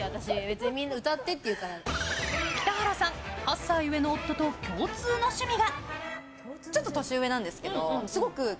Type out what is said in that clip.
北原さん８歳上の夫と共通の趣味が。